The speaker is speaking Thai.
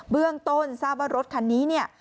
เบื้องต้นทราบว่ารถคันนี้เนี่ย